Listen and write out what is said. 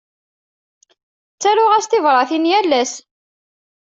Ttaruɣ-as tibratin yal ass.